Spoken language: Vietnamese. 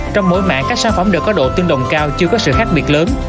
trong mỗi mảng các sản phẩm đều có độ tương đồng cao chưa có sự khác biệt lớn